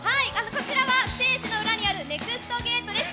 こちらはステージの裏にある、ＮＥＸＴゲートです。